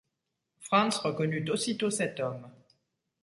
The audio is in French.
Franz reconnut aussitôt cet homme.